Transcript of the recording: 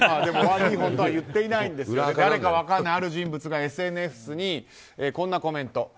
ワン・リーホンとは言ってはいないんですが誰か分からないある人物がＳＮＳにこんなコメント。